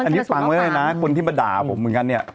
อันนี้ฟังไว้เลยนะคนที่มาด่าผมเหมือนกันเนี่ย